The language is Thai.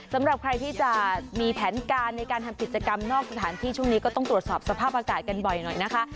สำหรับใครที่จะมีแผนการในการทำกิจกรรมนอกสถานที่ช่วงนี้ก็ต้องตรวจสอบสภาพอากาศกันบ่อยหน่อยนะคะ